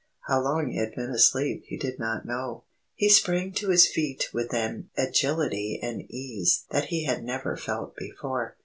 How long he had been asleep he did not know. He sprang to his feet with an agility and ease that he had never felt before.